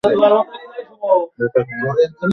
ব্যথা কমানোর জন্য।